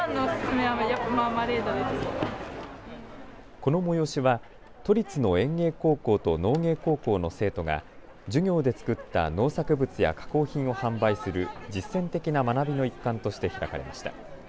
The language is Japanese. この催しは都立の園芸高校と農芸高校の生徒が授業で作った農作物や加工品を販売する実践的な学びの一環として開かれました。